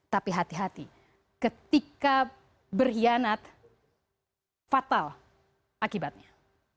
tapi hati hati ketika berkhianat fatal akibatnya